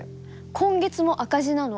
今月も赤字なの。